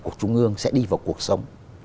của trung ương sẽ đi vào cuộc sống